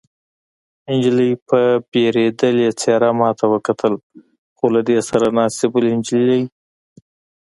نجلۍ په وېرېدلې څېره ما ته وکتل، خو له دې سره ناستې بلې نجلۍ.